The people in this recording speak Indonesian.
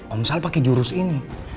om sal pakai jurus ini